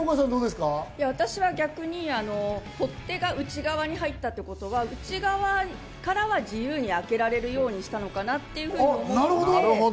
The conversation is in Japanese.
私は逆に、取っ手が内側に入ったってことは内側からは自由に開けられるようにしたのかなっていうふうに思って。